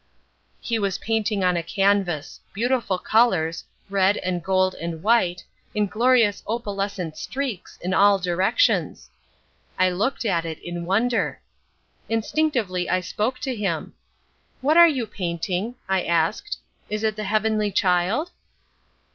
He was painting on a canvas—beautiful colours, red and gold and white, in glorious opalescent streaks in all directions. I looked at it in wonder. Instinctively I spoke to him. "What are you painting?" I said. "Is it the Heavenly Child?"